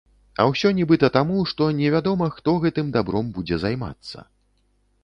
А ўсё нібыта таму, што не вядома, хто гэтым адборам будзе займацца.